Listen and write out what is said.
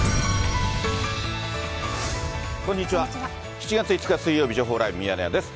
７月５日水曜日、情報ライブミヤネ屋です。